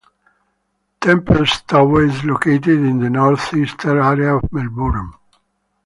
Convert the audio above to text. Templestowe is located in the north-eastern area of Melbourne.